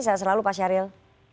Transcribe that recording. saya selalu pak syahril